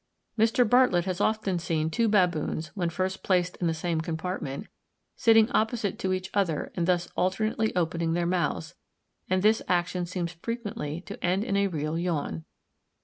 Mr. Bartlett has often seen two baboons, when first placed in the same compartment, sitting opposite to each other and thus alternately opening their mouths; and this action seems frequently to end in a real yawn.